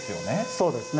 そうですね。